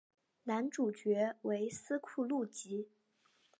男主角为斯库路吉。